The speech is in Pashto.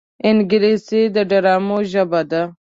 انګلیسي د ډرامو ژبه ده